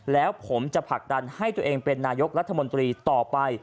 แล้วผมจะผลักดันให้ตัวเองเป็นนายกรัฐมนตรีต่อไป